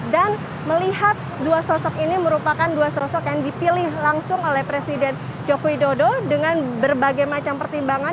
dan melihat dua sosok ini merupakan dua sosok yang dipilih langsung oleh presiden jokowi dodo dengan berbagai macam pertimbangan